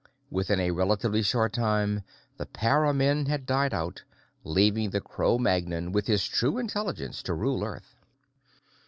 "Within a relatively short time, the para men had died out, leaving the Cro Magnon, with his true intelligence, to rule Earth."